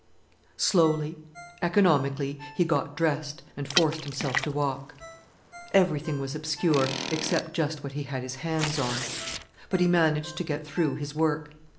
Slowly, economically, he got dressed and forced himself to walk. Everything was obscure, except just what he had his hands on. But he managed to get through his work.